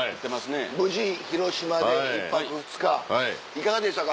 無事広島で１泊２日いかがでしたか？